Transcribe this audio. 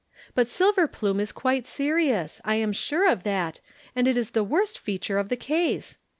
But Silverplume is quite serious I am sure of that, and it is the worst feature of the case.